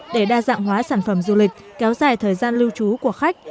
để đa dạng hóa sản phẩm du lịch kéo dài thời gian lưu trú của khách